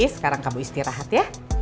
sekarang kamu istirahat ya